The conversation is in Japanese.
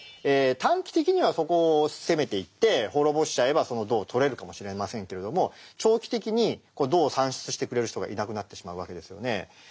短期的にはそこを攻めていって滅ぼしちゃえばその銅とれるかもしれませんけれども長期的に銅を産出してくれる人がいなくなってしまうわけですよね。